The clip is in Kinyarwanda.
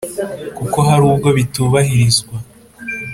kuko hari ubwo bitubahirizwa,